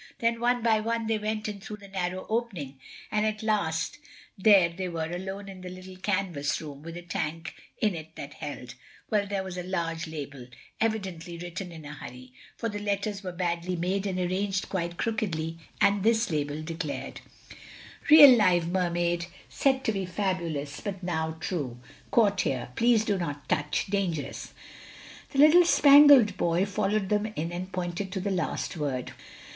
Then one by one they went in through the narrow opening, and at last there they were alone in the little canvas room with a tank in it that held—well, there was a large label, evidently written in a hurry, for the letters were badly made and arranged quite crookedly, and this label declared: REAL LIVE MERMAID. SAID TO BE FABULUS, BUT NOW TRUE. CAUGHT HERE. PLEASE DO NOT TOUCH. DANGEROUS. The little Spangled Boy had followed them in and pointed to the last word.